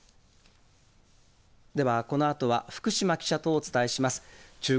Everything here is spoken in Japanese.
ではこのあとは、福島記者とお伝えしています。